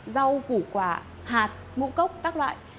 rau củ quả hạt mũ cốc các loại